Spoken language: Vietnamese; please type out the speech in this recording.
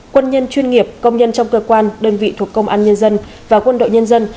quân nhân chuyên nghiệp công nhân trong cơ quan đơn vị thuộc công an nhân dân và quân đội nhân dân